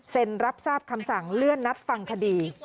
รับทราบคำสั่งเลื่อนนัดฟังคดี